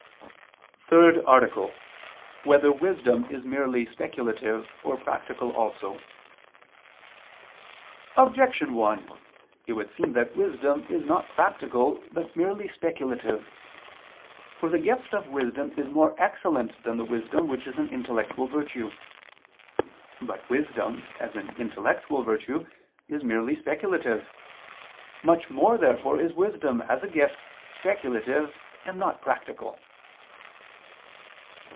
_______________________ THIRD ARTICLE [II II, Q. 45, Art. 3] Whether Wisdom Is Merely Speculative, or Practical Also? Objection 1: It would seem that wisdom is not practical but merely speculative. For the gift of wisdom is more excellent than the wisdom which is an intellectual virtue. But wisdom, as an intellectual virtue, is merely speculative. Much more therefore is wisdom, as a gift, speculative and not practical.